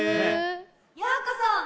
・ようこそ！